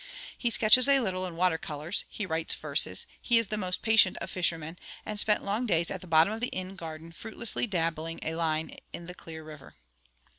He sketches a little in water colours; he writes verses; he is the most patient of fishermen, and spent long days at the bottom of the inn garden fruitlessly dabbling a line in the clear river.